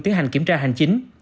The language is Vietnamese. tiến hành kiểm tra hành chính